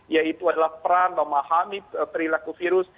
yaitu adalah peran memahami perilaku virus